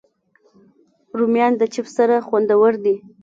رومیان د چپس سره خوندور دي